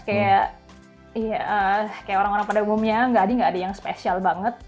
kayak orang orang pada umumnya gak adi gak ada yang spesial banget